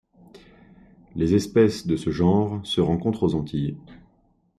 Les espèces de ce genre se rencontrent aux Antilles.